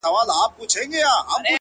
• نه پر مځکه چا ته گوري نه اسمان ته,